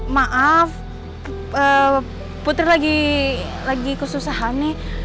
maaf putri lagi kesusahan nih